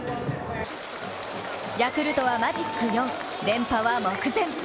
ヤクルトはマジック４、連覇は目前。